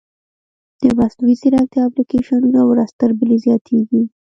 د مصنوعي ځیرکتیا اپلیکیشنونه ورځ تر بلې زیاتېږي.